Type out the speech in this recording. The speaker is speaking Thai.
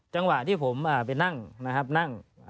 จังหวะที่ผมไปนั่ง